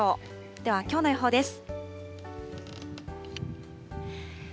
では、きょうの予報です。